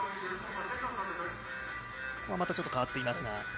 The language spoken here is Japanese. またちょっと変わっていますが。